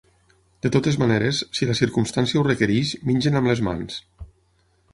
De totes maneres, si la circumstància ho requereix, mengen amb les mans.